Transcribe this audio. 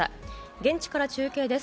現地から中継です。